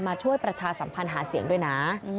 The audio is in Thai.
ช่วยประชาสัมพันธ์หาเสียงด้วยนะ